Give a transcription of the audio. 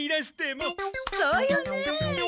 そうよねえ。